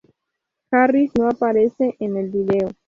Harris no aparece en el vídeo.